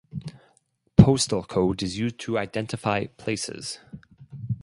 Postal code is used to identify places.